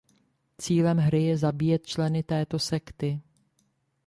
Cílem hry je zabíjet členy této sekty.